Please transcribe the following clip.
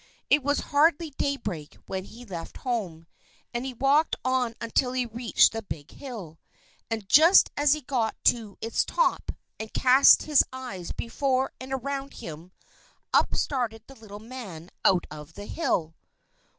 It was hardly daybreak when he left home, and he walked on until he reached the big hill; and just as he got to its top, and cast his eyes before and around him, up started the little man out of the hill.